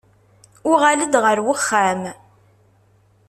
Uɣal-d ɣer wexxam.